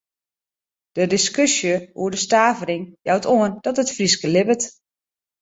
De diskusje oer de stavering jout oan dat it Frysk libbet.